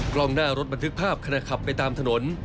กล้องหน้ารถบันทึกภาพขณะขับไปตามถนน